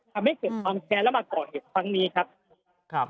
ทำให้เกิดความแค้นแล้วมาก่อเหตุครั้งนี้ครับ